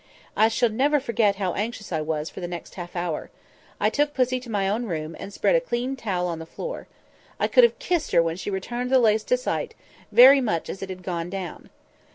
I shall never forget how anxious I was for the next half hour. I took pussy to my own room, and spread a clean towel on the floor. I could have kissed her when she returned the lace to sight, very much as it had gone down.